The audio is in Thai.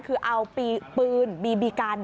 คือเอาปืนบีบีกัน